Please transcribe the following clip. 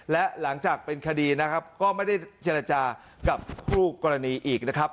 และหลังจากเป็นคดีนะครับก็ไม่ได้เจรจากับคู่กรณีอีกนะครับ